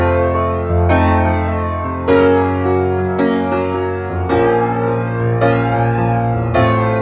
kamu adalah keindahan yang tak bisa dihapus